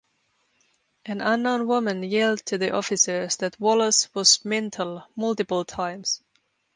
An unknown woman yelled to the officers that Wallace was "mental" multiple times.